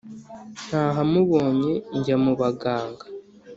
ntahamubonye njya mu baganga.